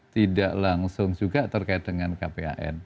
tidak langsung juga terkait dengan kpan